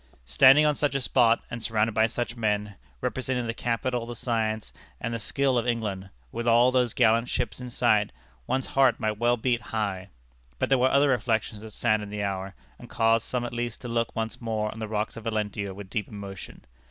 Standing on such a spot, and surrounded by such men, representing the capital, the science, and the skill of England, with all those gallant ships in sight, one's heart might well beat high. But there were other reflections that saddened the hour, and caused some at least to look once more on the rocks of Valentia with deep emotion.